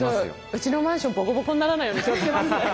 うちのマンションボコボコにならないように気をつけますね。